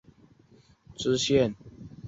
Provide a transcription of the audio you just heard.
出任陕西承宣布政使司泾阳县知县。